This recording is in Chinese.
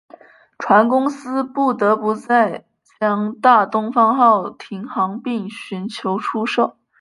船公司不得不在将大东方号停航并寻求出售。